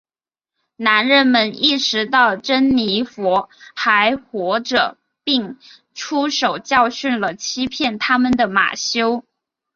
男人们意识到珍妮佛还活着并出手教训了欺骗他们的马修。